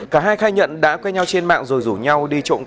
cả hai khai nhận đã quay nhau trên mạng rồi rủ nhau